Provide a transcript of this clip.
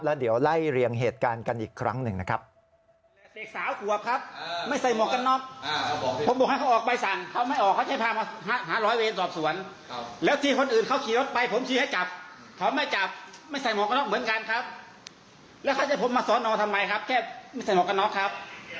แล้วเดี๋ยวไล่เรียงเหตุการณ์กันอีกครั้งหนึ่งนะครับ